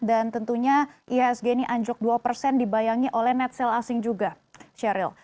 dan tentunya ihsg ini anjur dua persen dibayangi oleh net sale asing juga sheryl